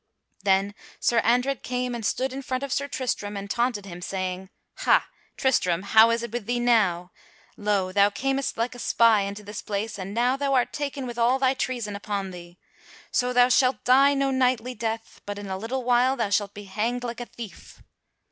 Then Sir Andred came and stood in front of Sir Tristram and taunted him, saying: "Ha, Tristram, how is it with thee now? Lo! thou camest like a spy into this place, and now thou art taken with all thy treason upon thee. So thou shalt die no knightly death, but, in a little while, thou shalt be hanged like a thief."